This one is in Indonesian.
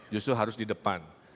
justru harus di depan